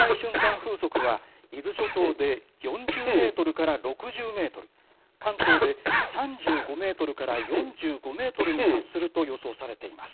風速は伊豆諸島で４０メートルから６０メートル、関東で３５メートルから４５メートルに達すると予想されています。